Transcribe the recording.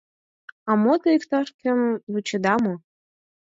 — А мо, те иктаж-кӧм вучеда мо?